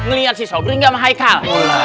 ngelihat si sobri gak sama haikal